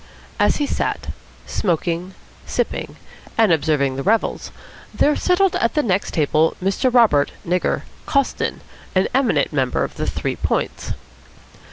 As he sat smoking, sipping, and observing the revels, there settled at the next table Mr. Robert ("Nigger") Coston, an eminent member of the Three Points.